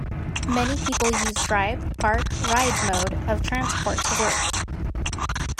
Many people use drive-park-ride mode of transport to work.